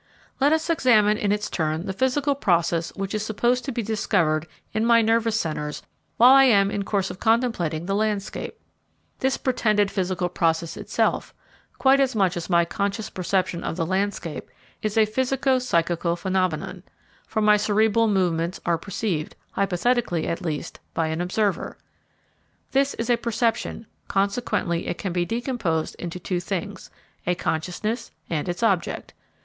Let us examine in its turn the physical process which is supposed to be discovered in my nervous centres while I am in course of contemplating the landscape. This pretended physical process itself, quite as much as my conscious perception of the landscape, is a physico psychical phenomenon; for my cerebral movements are perceived, hypothetically at least, by an observer. This is a perception, consequently it can be decomposed into two things, a consciousness and its object.